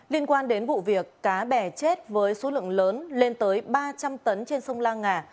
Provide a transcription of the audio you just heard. liên quan đến vụ việc cá bè chết với số lượng lớn lên tới ba trăm linh tấn trên sông la ngà